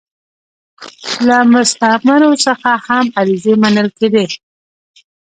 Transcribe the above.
له مستعمرو څخه هم عریضې منل کېدې.